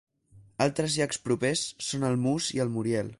Altres llacs propers són el Moose i el Muriel.